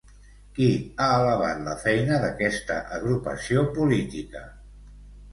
Qui ha alabat la feina d'aquesta agrupació política?